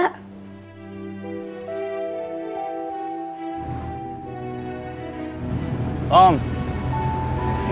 ibu kok diem juga